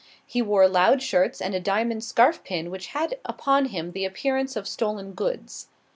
He wore loud shirts and a diamond scarf pin which had upon him the appearance of stolen goods.